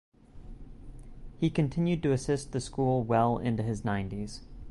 He continued to assist the school well into his nineties.